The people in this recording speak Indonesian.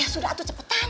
ya sudah cepetan